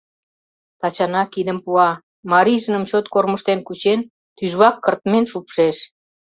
Тачана кидым пуа, марийжыным чот кормыжтен кучен, тӱжвак кыртмен шупшеш.